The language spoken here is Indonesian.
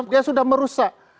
dia sudah merusak